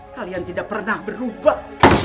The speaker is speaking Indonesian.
kalian tidak pernah berubah